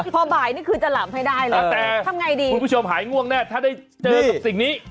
พอบ่ายนี่คือจะหล่ำให้ได้เลยแต่คุณผู้ชมหายง่วงแน่ถ้าได้เจอสิ่งนี้